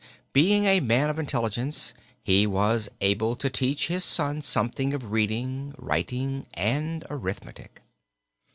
Being a man of intelligence, he was able to teach his son something of reading, writing and arithmetic.